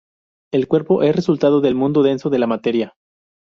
El cuerpo es resultado del mundo denso, de la materia.